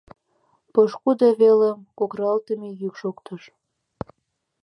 Пошкудо велым кокыралтыме йӱк шоктыш.